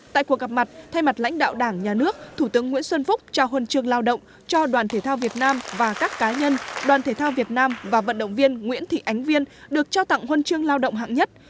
tại cuộc gặp mặt thay mặt lãnh đạo đảng nhà nước thủ tướng nguyễn xuân phúc trao huân chương lao động cho đoàn thể thao việt nam và các cá nhân đoàn thể thao việt nam và vận động viên nguyễn thị ánh viên được trao tặng huân chương lao động hạng nhất